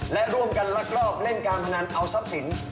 และร่วมกันลักลอบเล่นการพนันเอาทรัพย์สิน